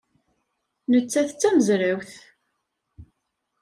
Nettat d tamezrawt.